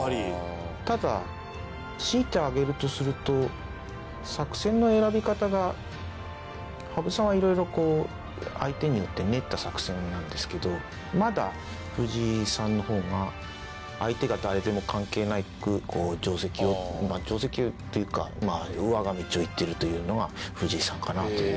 ただ、強いて挙げるとすると作戦の選び方が羽生さんは、いろいろ、こう相手によって練った作戦なんですけどまだ、藤井さんの方が相手が誰でも関係なく定跡を、定跡というか我が道を行っているというのが藤井さんかなという。